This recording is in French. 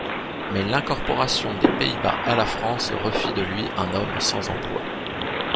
Mais l'incorporation des Pays-Bas à la France refit de lui un homme sans emploi.